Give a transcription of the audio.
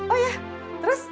oh ya terus